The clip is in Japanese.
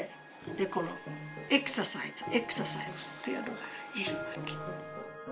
でこのエクササイズエクササイズっていうのがいるわけ。